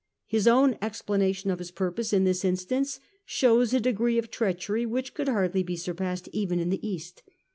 His own explanation of his purpose in this instance shows a degree of treachery which could hardly be surpassed even in the East.